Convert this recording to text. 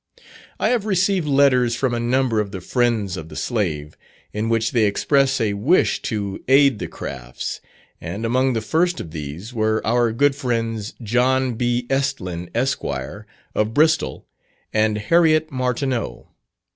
I have received letters from a number of the friends of the slave, in which they express a wish to aid the Crafts; and among the first of these, were our good friends, John B. Estlin, Esq., of Bristol, and Harriet Martineau.